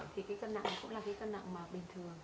thì cái cân nặng cũng là cái cân nặng bình thường